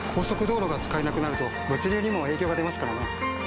速道路が使えなくなると物流にも影響が出ますからね。